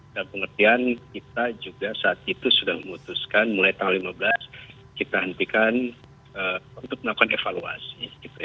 dan pengertian kita juga saat itu sudah memutuskan mulai tanggal lima belas kita hentikan untuk melakukan evaluasi